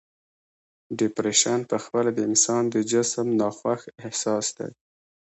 ډپریشن په خپله د انسان د جسم ناخوښ احساس دی.